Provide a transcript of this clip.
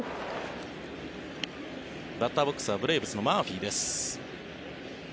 バッターボックスはブレーブスのマーフィーです。